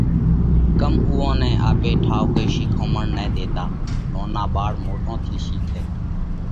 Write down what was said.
ڪم اُوئون نئہ آپي ٺائُوڪئِي شِيکومڻ نه ۮيتا؟ نونو ٻاۯ موٽون ٿِي شِيکئه۔